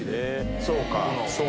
そうか。